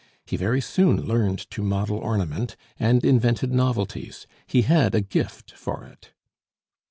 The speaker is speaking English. He very soon learned to model ornament, and invented novelties; he had a gift for it.